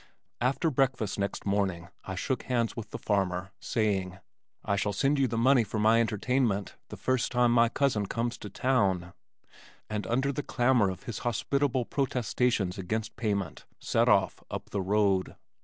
After breakfast next morning I shook hands with the farmer saying: "I shall send you the money for my entertainment the first time my cousin comes to town," and under the clamor of his hospitable protestations against payment, set off up the road.